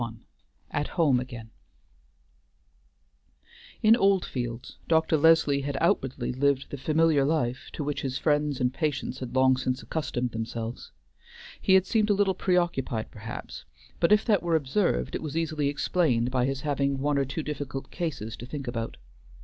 XXI AT HOME AGAIN In Oldfields Dr. Leslie had outwardly lived the familiar life to which his friends and patients had long since accustomed themselves; he had seemed a little preoccupied, perhaps, but if that were observed, it was easily explained by his having one or two difficult cases to think about.